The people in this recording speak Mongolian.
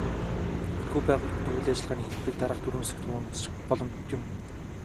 Энэхүү байгууллагуудын үйл ажиллагааны хэлбэрийг дараах дөрвөн хэсэгт хуваан үзэж болох юм.